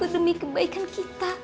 demi kebaikan kita